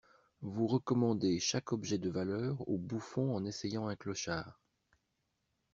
Vous recommandez chaque objet de valeur au bouffon en essayant un clochard.